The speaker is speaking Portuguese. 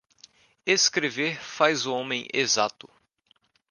Escrever faz o homem exato